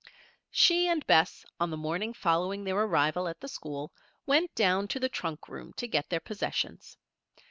She and Bess, on the morning following their arrival at the school, went down to the trunk room to get their possessions.